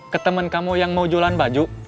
ketemen kamu yang mau jualan baju